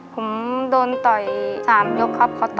ผมโดนต่อยสามยกครับเขาต่อย